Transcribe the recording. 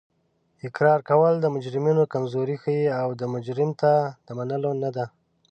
اقرار کول د مجرمینو کمزوري ښیي او دا مجرم ته د منلو نه ده